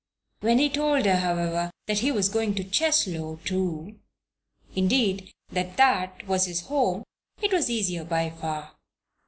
When he told her, however, that he was going to Cheslow, too indeed, that that was his home it was easier by far.